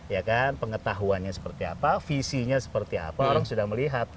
ya kan pengetahuannya seperti apa visinya seperti apa orang sudah melihat